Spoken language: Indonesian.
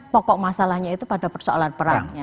pokok masalahnya itu pada persoalan perang